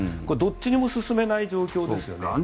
これはどっちにも進めない状況ですよね。